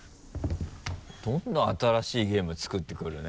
どんどん新しいゲーム作ってくるね。